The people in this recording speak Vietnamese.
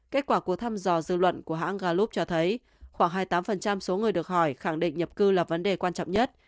kết quả cuộc thăm dò dư luận của hãng galup cho thấy khoảng hai mươi tám số người được hỏi khẳng định nhập cư là vấn đề quan trọng nhất